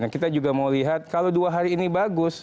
kita juga mau lihat kalau dua hari ini bagus